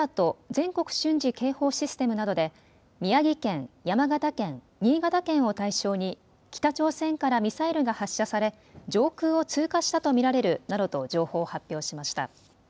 ・全国瞬時警報システムなどで宮城県、山形県、新潟県を対象に北朝鮮からミサイルが発射され上空を通過したと見られるなどと情報を発表しました。